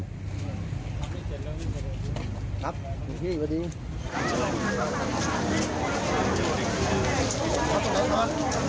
ผมจะขอยืมมีนร้านนั้นนะ